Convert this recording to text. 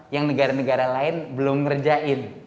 yang negara negara lain belum ngerjain